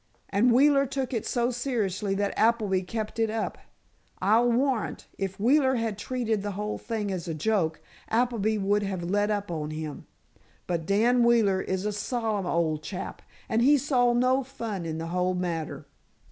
And Wheeler took it so seriously that Appleby kept it up. I'll warrant, if Wheeler had treated the whole thing as a joke, Appleby would have let up on him. But Dan Wheeler is a solemn old chap, and he saw no fun in the whole matter."